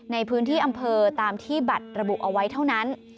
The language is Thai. ในพื้นที่อำเภอตามที่บัตรระบุเอาไว้เท่านั้น